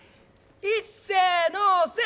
いっせのせ！